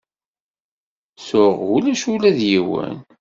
Tuɣ ulac ula d yiwen.